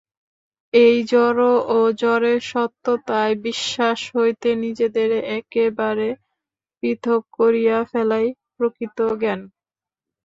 এই জড় ও জড়ের সত্যতায় বিশ্বাস হইতে নিজেদের একেবারে পৃথক করিয়া ফেলাই প্রকৃত জ্ঞান।